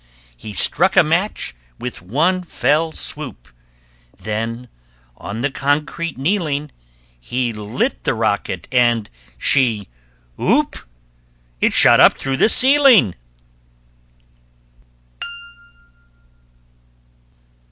He struck a match with one fell swoop; Then, on the concrete kneeling, He lit the rocket and she oop! It shot up through the ceiling.